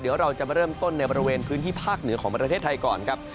เดี๋ยวเราจะมาเริ่มต้นในบริเวณพื้นที่ภาคเหนือของประเทศไทยก่อนครับ